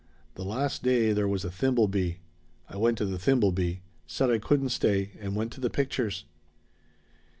The last day there was a thimble bee. I went to the thimble bee said I couldn't stay and went to the pictures.